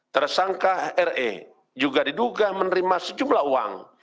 tersangka re juga diduga menerima sejumlah uang